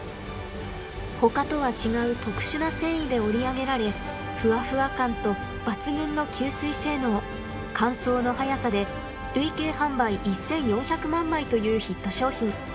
他とは違う特殊な繊維で織り上げられ、ふわふわ感と抜群の吸水性能、乾燥の早さで累計販売１４００万枚というヒット商品。